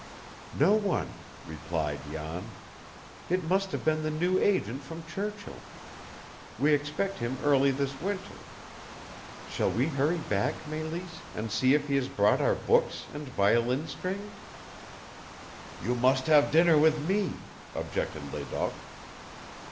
"No one," replied Jan. "It must have been the new agent from Churchill. We expect him early this winter. Shall we hurry back, Mélisse, and see if he has brought our books and violin strings?" "You must have dinner with me," objected Ledoq.